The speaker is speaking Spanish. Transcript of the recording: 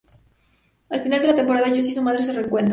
Al final de la temporada, Josh y su madre se reencuentran.